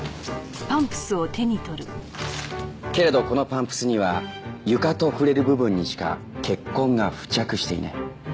けれどこのパンプスには床と触れる部分にしか血痕が付着していない。